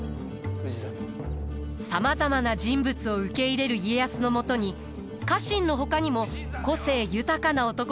さまざまな人物を受け入れる家康のもとに家臣のほかにも個性豊かな男たちが集います。